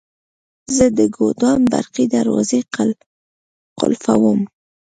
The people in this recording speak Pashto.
زه د ګودام برقي دروازې قلفووم.